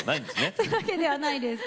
そういうわけではないです。